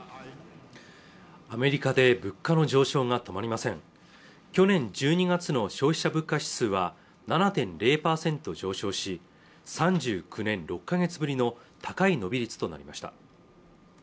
アメリカで物価の上昇が止まりません去年１２月の消費者物価指数は７．０％上昇し３９年６か月ぶりの高い伸び率となりました